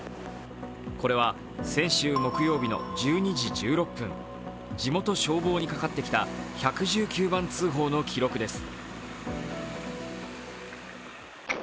これは先週木曜日の１２時１６分地元消防にかかってきた１１９番通報の記録です。